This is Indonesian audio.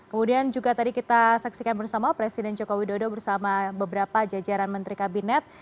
kemudian juga tadi kita saksikan bersama presiden joko widodo bersama beberapa jajaran menteri kabinet